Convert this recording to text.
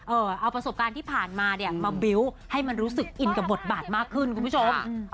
เอาประสบการณ์ที่ผ่านมาเนี่ยมาบิ้วต์ให้มันรู้สึกอินกับบทบาทมากขึ้นคุณผู้ชม